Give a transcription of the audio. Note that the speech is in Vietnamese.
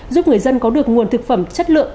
giúp người dân có được nguồn thực phẩm chất lượng